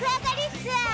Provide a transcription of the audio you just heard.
ツアー